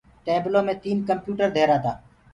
ٽيبلو مي تين ڪمپيوٽر ڌيرآ تآ